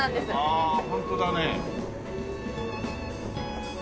あホントだねえ。